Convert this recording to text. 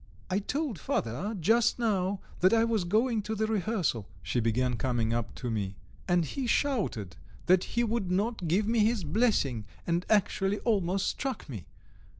"I told father just now that I was going to the rehearsal," she began, coming up to me, "and he shouted that he would not give me his blessing, and actually almost struck me.